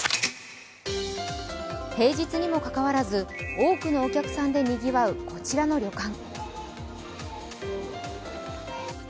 平日にもかかわらず、多くのお客さんでにぎわうこちらの旅館。